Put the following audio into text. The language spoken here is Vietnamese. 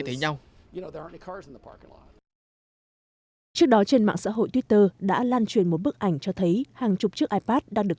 trước đó trên mạng xã hội twitter đã lan truyền một bức ảnh cho thấy hàng chục chiếc ipad đang được